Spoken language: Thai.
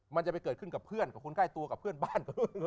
มันจะไปเกิดขึ้นกับเพื่อนกับคนใกล้ตัวกับเพื่อนบ้าน